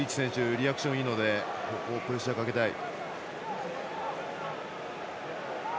リアクションがいいのでプレッシャーをかけたい。